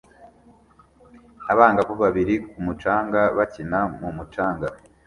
Abangavu babiri ku mucanga bakina mu mucanga